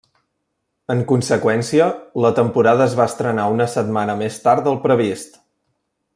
En conseqüència, la temporada es va estrenar una setmana més tard del previst.